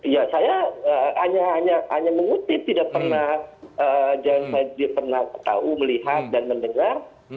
ya saya hanya hanya hanya mengutip tidak pernah yang saya pernah tahu melihat dan mendengar